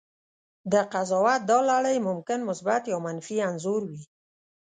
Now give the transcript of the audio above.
د قضاوت دا لړۍ ممکن مثبت یا منفي انځور وي.